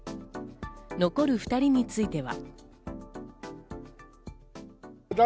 残る２人については。